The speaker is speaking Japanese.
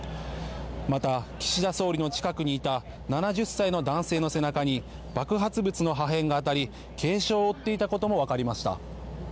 また、岸田総理の近くにいた７０歳の男性の背中に爆発物の破片が当たり軽傷を負っていたこともわかりました。